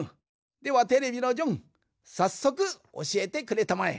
ではテレビのジョンさっそくおしえてくれたまえ。